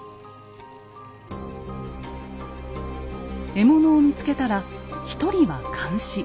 獲物を見つけたら一人は監視。